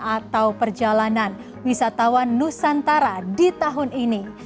atau perjalanan wisatawan nusantara di tahun ini